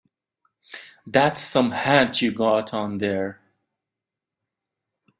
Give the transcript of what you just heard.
That's some hat you got on there.